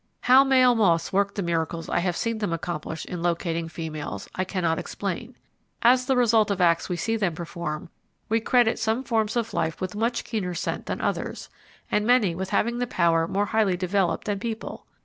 How male moths work the miracles I have seen them accomplish in locating females, I cannot explain. As the result of acts we see them perform, we credit some forms of life with much keener scent than others, and many with having the power more highly developed than people.